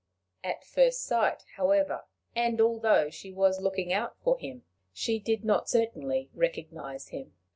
At first sight, however, and although she was looking out for him, she did not certainly recognize him.